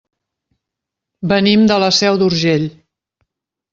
Venim de la Seu d'Urgell.